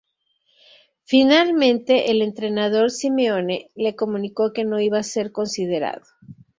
Finalmente el entrenador Simeone le comunicó que no iba a ser considerado.